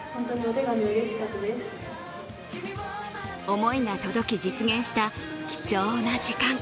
思いが届き実現した貴重な時間。